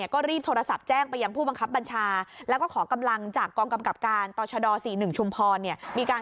ก็รีบโทรศัพท์แจ้งไปยังผู้บังคับบัญชาแล้วก็ขอกำลังจากกองกำกับการต่อชด๔๑ชุมพรเนี่ย